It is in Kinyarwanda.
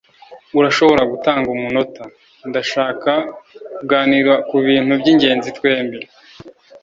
Urashobora gutanga umunota? Ndashaka kuganira kubintu byingenzi twembi.